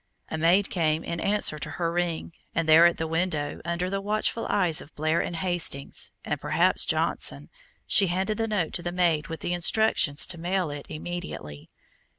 A maid came in answer to her ring, and there at the window, under the watchful eyes of Blair and Hastings and, perhaps, Johnson she handed the note to the maid with instructions to mail it immediately.